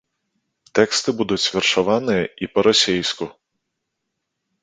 Тэксты будуць вершаваныя і па-расейску.